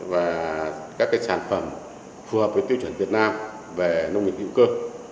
và các sản phẩm phù hợp với tiêu chuẩn việt nam về nông nghiệp hữu cơ